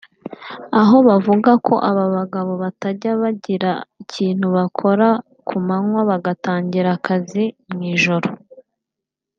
aho bavuga ko aba bagabo batajya bagira ikintu bakora ku manywa bagatangira akazi mu ijoro